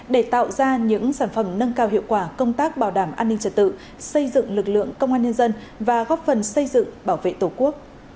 để tạo ra những sản phẩm nâng cao hiệu quả công tác bảo đảm an ninh trật tự xây dựng lực lượng công an nhân dân và góp phần xây dựng bảo vệ tổ quốc